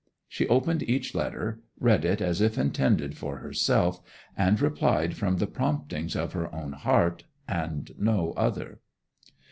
She opened each letter, read it as if intended for herself, and replied from the promptings of her own heart and no other.